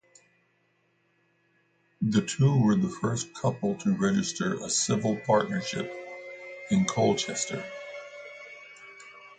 The two were the first couple to register a Civil Partnership in Colchester.